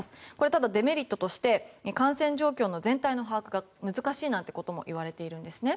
ただ、デメリットとして感染状況の全体の把握が難しいともいわれていますね。